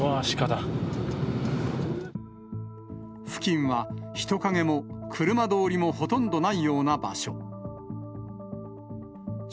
付近は、人影も車通りもほとんどないような場所。